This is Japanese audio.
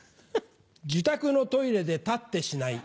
自宅のトイレで立ってしない。